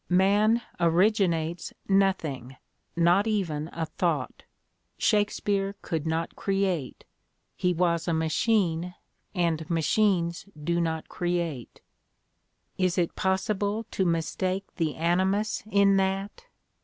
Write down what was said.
"Man originates nothing, not even a thought. ... Shakespeare could not create. He was a machine, and machines do not create." Is it possible to mistake the animus in that?